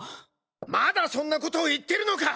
まだそんなことを言ってるのか！